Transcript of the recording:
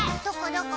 どこ？